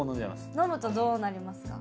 飲むとどうなりますか？